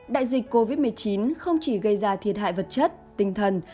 đại dịch covid một mươi chín không chỉ gây ra thiệt hại vật chất tinh thần